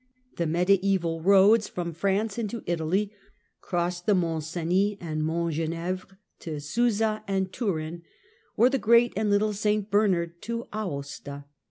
The mediaeval roads from France inta Italy crossed the Mont Cenis and Mont Genevre to Susa and Turin, or the Great and Little St Bernard to Aosta.